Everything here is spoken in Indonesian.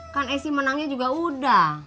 kan esi menangnya juga udah